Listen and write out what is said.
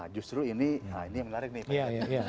justru ini yang menarik nih pak